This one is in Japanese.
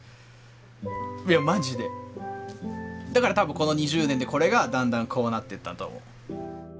だからたぶんこの２０年でこれがだんだんこうなっていったと思う。